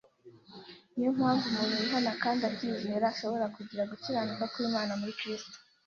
Ni yo mpamvu umuntu wihana kandi akizera ashobora kugira gukiranuka kw’Imana muri Kristo.